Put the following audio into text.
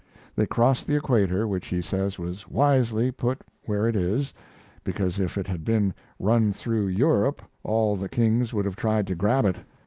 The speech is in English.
They crossed the equator, which he says was wisely put where it is, because if it had been run through Europe all the kings would have tried to grab it.